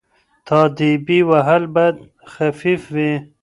تاديبي وهل باید خفيف وي.